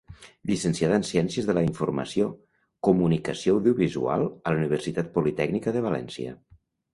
Llicenciada en Ciències de la Informació, Comunicació Audiovisual, a la Universitat Politècnica de València.